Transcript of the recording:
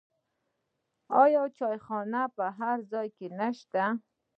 آیا چایخانې په هر ځای کې نشته؟